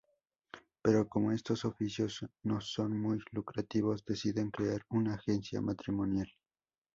Pero como estos oficios no son muy lucrativos, deciden crear una agencia matrimonial.